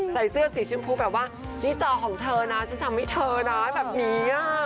ใส่เสื้อสีชมพูแบบว่านี่จอของเธอนะฉันทำให้เธอนะแบบนี้